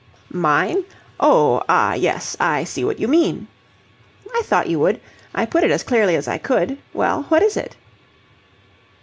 "Mine? Oh, ah, yes, I see what you mean." "I thought you would. I put it as clearly as I could. Well, what is it?"